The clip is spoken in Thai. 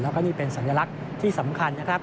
แล้วก็นี่เป็นสัญลักษณ์ที่สำคัญนะครับ